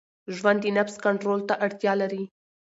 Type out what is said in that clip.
ژوند د نفس کنټرول ته اړتیا لري.